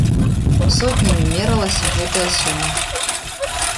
Сотнямі мералася гэтая сума!